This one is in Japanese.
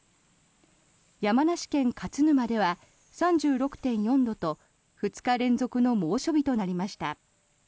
山梨県勝沼では３６．４度と２日連続の猛暑日となりました。